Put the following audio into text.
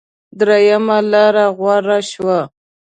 درېمه لاره غوره شوه.